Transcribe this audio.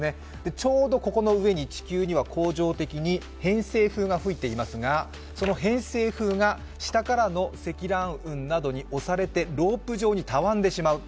ちょうどここの上に地球には恒常的に偏西風が吹いていますがその偏西風が下からの積乱雲などに押されてロープ上にたわんでしまう。